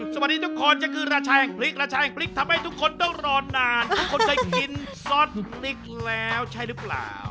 สวัสดีทุกคนก็คือราชัยแห่งพริกราชัยพริกทำให้ทุกคนต้องรอนานทุกคนเคยกินซอสพริกแล้วใช่หรือเปล่า